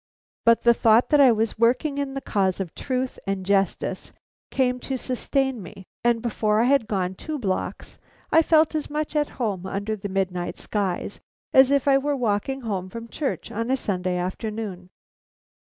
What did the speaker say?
But the thought that I was working in the cause of truth and justice came to sustain me, and before I had gone two blocks, I felt as much at home under the midnight skies as if I were walking home from church on a Sunday afternoon.